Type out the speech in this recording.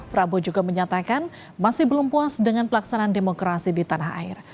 prabowo juga menyatakan masih belum puas dengan pelaksanaan demokrasi di tanah air